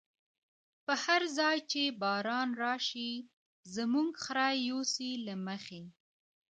په هر ځای چی باران راشی، زمونږ خره یوسی له مخی